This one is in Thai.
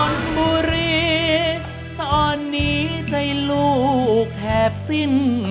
อ่อนบุรีอ่อนหนี้ใจลูกแทบสิ้น